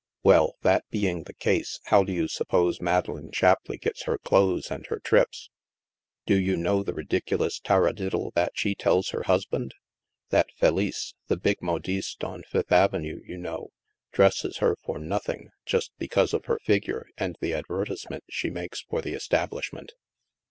" Well, that being the case, how do you suppose Madeleine Shapleigh gets her clothes and her trips ? Do you know the ridiculous tarradiddle that she tells her husband? That Felice — the big modiste on Fifth Avenue, you know — dresses her for noth ing, just because of her figure and the advertisement she makes for the establishment!